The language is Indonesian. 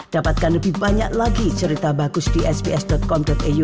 dapatkan lebih banyak lagi cerita bagus di sps com iu